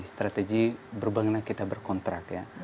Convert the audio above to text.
strategi berbahaya kita berkontrak